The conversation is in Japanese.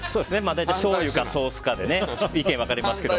大体しょうゆかソースかで意見が分かれますけど。